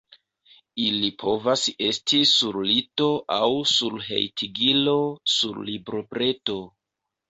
Ili povas esti sur lito aŭ sur hejtigilo, sur librobreto.